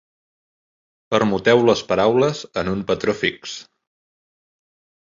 Permuteu les paraules en un patró fix.